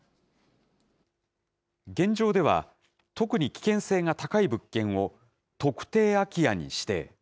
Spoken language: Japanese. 現状では、特に危険性が高い物件を特定空き家に指定。